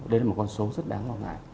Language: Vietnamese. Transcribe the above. đây là một con số rất đáng lo ngại